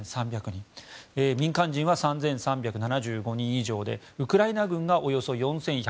民間人は３３７５人以上でウクライナ軍がおよそ４１５０人